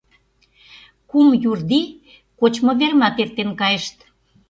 «Кум Юрди» кочмыверымат эртен кайышт.